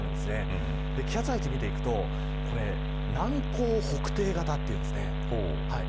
気圧配置を見ていくと南高北低型というんですね。